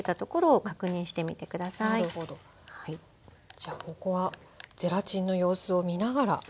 じゃあここはゼラチンの様子を見ながらですね。